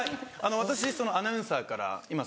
私アナウンサーから今。